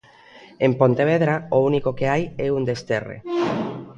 En Pontevedra o único que hai é un desterre.